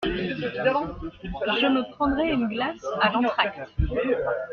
Je me prendrai une glace à l'entracte.